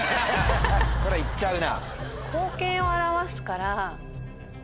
これ行っちゃうな。